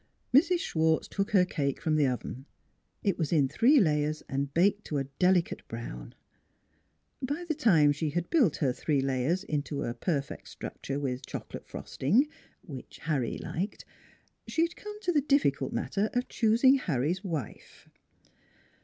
Mrs. Schwartz took her cake from the oven it was in three layers, and baked to a delicate brown. By the time she had built her three layers into a perfect structure with chocolate frosting (which Harry liked) she had come to the difficult matter of choosing Harry's wife.